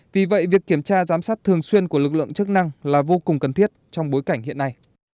vì vậy việc kiểm tra giám sát thường xuyên của lực lượng chức năng là vô cùng cần thiết trong bối cảnh hiện nay